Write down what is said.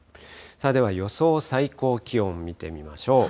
では、予想最高気温見てみましょう。